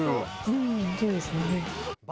うんそうですね。